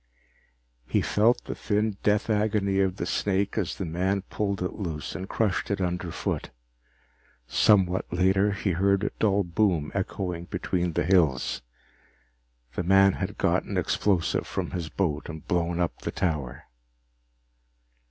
He felt the thin death agony of the snake as the man pulled it loose and crushed it underfoot. Somewhat later, he heard a dull boom echoing between the hills. The man had gotten explosives from his boat and blown up the tower.